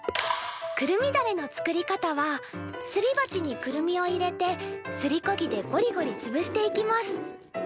くるみだれの作り方はすりばちにくるみを入れてすりこぎでゴリゴリつぶしていきます。